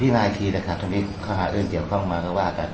มีซิน่าอีกทีนะครับทุกท่านที่จะหาเรื่องเกี่ยวกันบ่อยครับ